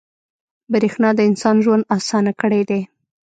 • برېښنا د انسان ژوند اسانه کړی دی.